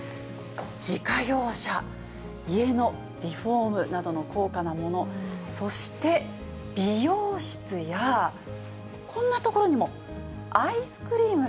自家用車、家のリフォームなどの高価なもの、そして美容室や、こんなところにも、アイスクリーム。